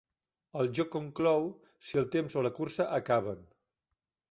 El joc conclou si el temps o la cursa acaben.